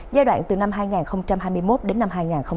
giai đoạn từ năm hai nghìn hai mươi một đến năm hai nghìn ba mươi